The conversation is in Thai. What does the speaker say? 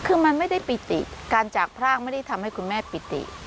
คือมันไม่ได้ปิติการจากพรากไม่ได้ทำให้คุณแม่ปิติ